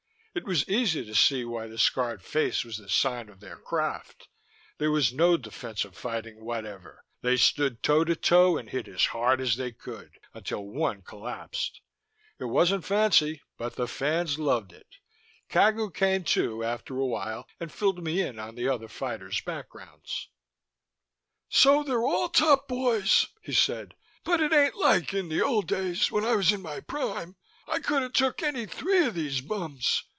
It was easy to see why the scarred face was the sign of their craft; there was no defensive fighting whatever. They stood toe to toe and hit as hard as they could, until one collapsed. It wasn't fancy, but the fans loved it. Cagu came to after a while and filled me in on the fighters' backgrounds. "So they're all top boys," he said. "But it ain't like in the old days when I was in my prime. I could've took any three of these bums.